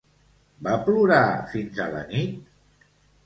Va plorar fins a la nit?